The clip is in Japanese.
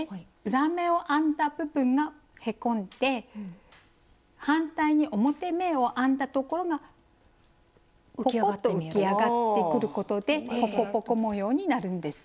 裏目を編んだ部分がへこんで反対に表目を編んだところがポコッと浮き上がってくることでポコポコ模様になるんです。